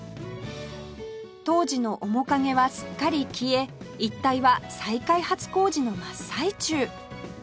当時の面影はすっかり消え一帯は再開発工事の真っ最中